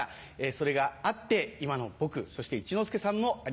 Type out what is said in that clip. それがあって今の僕そして一之輔さんもあります。